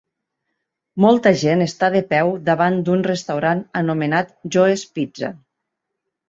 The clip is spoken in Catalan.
Molta gent està de peu davant d'un restaurant anomenat Joe's Pizza.